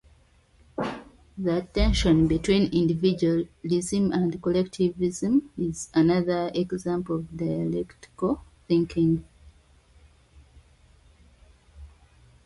The tension between individualism and collectivism is another example of dialectical thinking.